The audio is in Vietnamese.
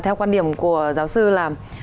theo quan điểm của giáo sư là